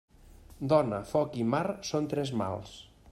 Dona, foc i mar són tres mals.